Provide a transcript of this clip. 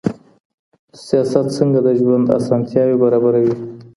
سياست څنګه د ژوند اسانتياوې برابروي؟